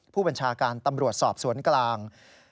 ผู้บัญชาการตำรวจสอบสวนกลาง